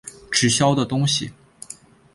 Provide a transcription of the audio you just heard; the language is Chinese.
直销的东西